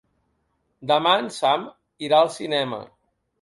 Demà en Sam irà al cinema.